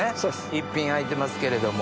１品空いてますけれども。